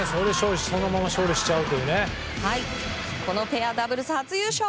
そのまま勝利しちゃうと。